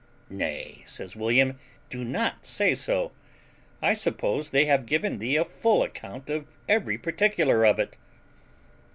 "Nay," says William, "do not say so; I suppose they have given thee a full account of every particular of it."